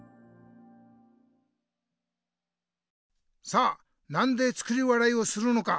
さあなんで作り笑いをするのか？